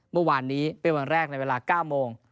เมื่อวานนี้เป็นวันแรกในเวลา๙โมง